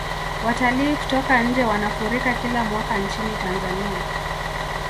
watalii kutoka nje wanafurika kila mwaka nchini tanzania